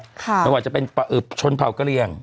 ไม่ว่าจะเป็นชนเผากระเรียง